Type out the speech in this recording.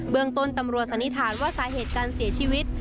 เมืองต้นตำรวจสันนิษฐานว่าสาเหตุการเสียชีวิต